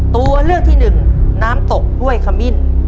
ตัวเลือกที่หนึ่งน้ำตกห้วยขมิ้น